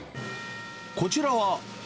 こちらは。